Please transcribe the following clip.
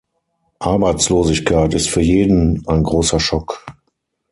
Arbeitslosigkeit ist für jeden ein großer Schock.